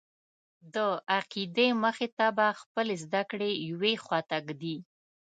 د عقیدې مخې ته به خپلې زده کړې یوې خواته ږدې.